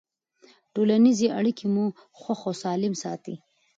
ټولنیزې اړیکې مو خوښ او سالم ساتي.